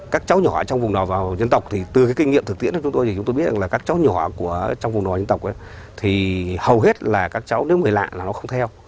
các cháu nhỏ trong vùng đòi và nhân tộc thì từ cái kinh nghiệm thực tiễn của chúng tôi thì chúng tôi biết là các cháu nhỏ trong vùng đòi nhân tộc thì hầu hết là các cháu nếu người lạ là nó không theo